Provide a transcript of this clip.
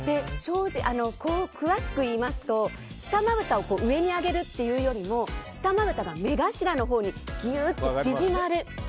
詳しく言いますと下まぶたを上に上げるというより下まぶたが目頭のほうにギュッと縮まる。